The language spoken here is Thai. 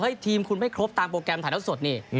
เฮ้ยทีมคุณไม่ครบตามโปรแกรมภายนักสดนี้